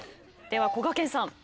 ではこがけんさん。